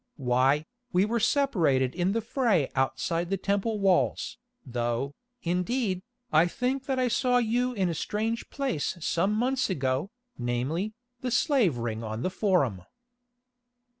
Why, we were separated in the fray outside the Temple walls, though, indeed, I think that I saw you in a strange place some months ago, namely, the slave ring on the Forum."